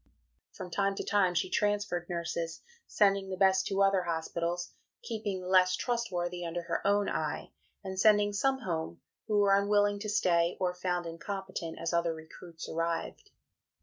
From time to time she transferred nurses, sending the best to other hospitals, keeping the less trustworthy under her own eye; and sending some home, who were unwilling to stay or found incompetent, as other recruits arrived.